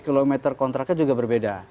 kilometer kontraknya juga berbeda